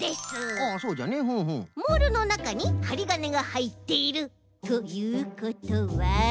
モールのなかにはりがねがはいっているということは。